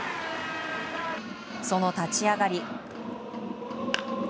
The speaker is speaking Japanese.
その立ち上がり。